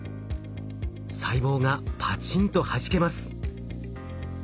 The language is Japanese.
細胞がパチンとはじけます。